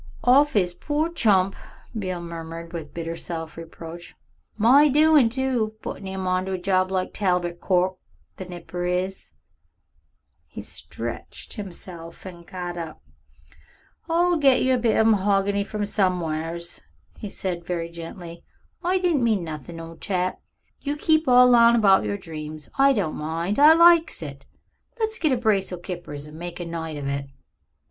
"Off 'is poor chump," Beale murmured with bitter self reproach; "my doin' too puttin' 'im on to a job like Talbot Court, the nipper is." He stretched himself and got up. "I'll get yer a bit of mahogany from somewheres," he said very gently. "I didn't mean nothing, old chap. You keep all on about yer dreams. I don't mind. I likes it. Let's get a brace o' kippers and make a night of it."